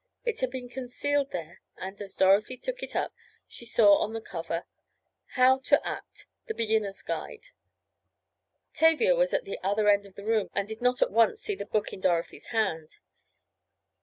It had been concealed there and, as Dorothy took it up she saw on the cover: HOW TO ACT The Beginner's Guide. Tavia was at the other end of the room and did not at once see the book in Dorothy's hand.